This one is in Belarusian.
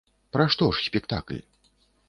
Пра што ж спектакль?